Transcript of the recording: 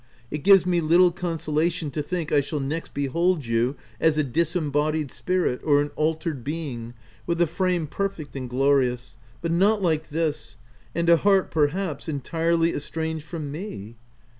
u It gives me little consolation to think I shall next behold you as a disembodied spirit, or an altered being, with a frame perfect and glorious, but not like this !— and a heart, perhaps, entirely estranged from me.''